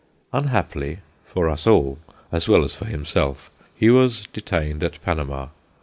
Unhappily for us all as well as for himself he was detained at Panama.